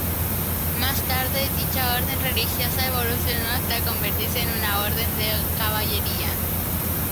Más tarde dicha orden religiosa evolucionó hasta convertirse en una Orden de caballería.